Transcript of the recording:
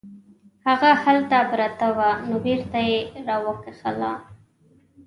هغه هلته پرته وه نو بیرته یې راوکښله.